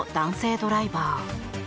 ドライバー。